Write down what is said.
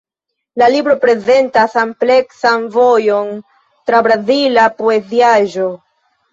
La libro prezentas ampleksan vojon tra brazila poeziaĵo.